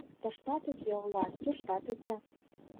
Тыштат уке Олас, туштат уке.